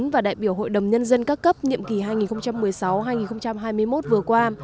và đại biểu hội đồng nhân dân các cấp nhiệm kỳ hai nghìn một mươi sáu hai nghìn hai mươi một vừa qua